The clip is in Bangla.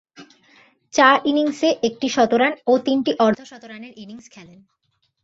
চার ইনিংসে একটি শতরান ও তিনটি অর্ধ-শতরানের ইনিংস খেলেন।